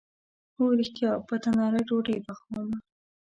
هو ریښتیا، په تناره ډوډۍ پخومه